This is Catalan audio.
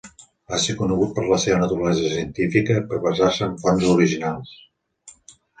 Va ser conegut per la seva naturalesa científica i per basar-se en fonts originals.